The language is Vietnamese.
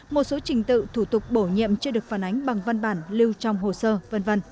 một số trình tự thủ tục bổ nhiệm chưa được phản ánh bằng văn bản lưu trong hồ sơ v v